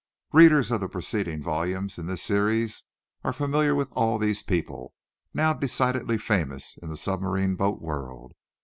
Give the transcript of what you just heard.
Readers of the preceding volumes in this series are familiar with all these people, now decidedly famous in the submarine boat world.